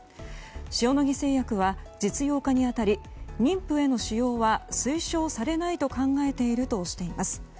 塩野義製薬は実用化に当たり妊婦への使用は推奨されないと考えているとしています。